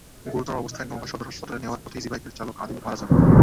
গুরুতর অবস্থায় নওগাঁ সদর হাসপাতালে নেওয়ার পথে ইজিবাইকের চালক আদিল মারা যান।